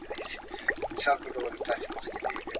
ته کولی شې انځور جوړ کړې.